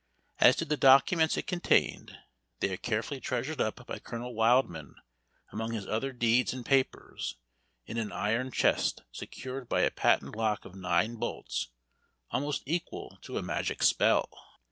As to the documents it contained, they are carefully treasured up by Colonel Wildman among his other deeds and papers, in an iron chest secured by a patent lock of nine bolts, almost equal to a magic spell.